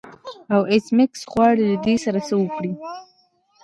او ایس میکس غواړي له دې سره څه وکړي